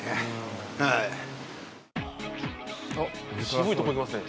「渋いとこいきますね。